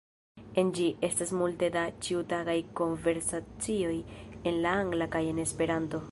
En ĝi, estas multe da ĉiutagaj konversacioj en la Angla kaj en Esperanto.